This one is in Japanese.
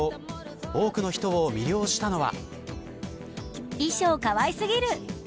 多くの人を魅了したのは。